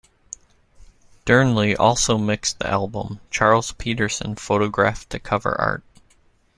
Dearnley also mixed the album, Charles Peterson photographed the cover art.